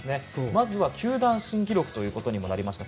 まずは、球団新記録ということにもなりました。